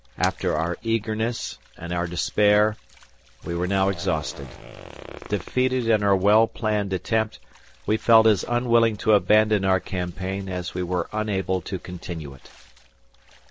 After our eagerness and our despair, we were now exhausted. Defeated in our well planned attempt, we felt as unwilling to abandon our campaign, as we were unable to continue it.